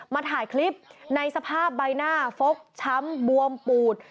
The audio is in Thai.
ถ่ายคลิปในสภาพใบหน้าฟกช้ำบวมปูด